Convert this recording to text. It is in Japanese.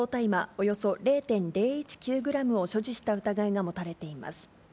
およそ０．０１９グラムを所持した疑いが持たれています。